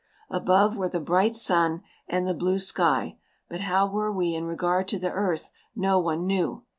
Above were the bright sun and the blue sky, but how we were in regard to the earth no one knew.